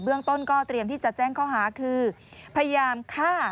เรื่องต้นก็เตรียมที่จะแจ้งข้อหาคือพยายามฆ่า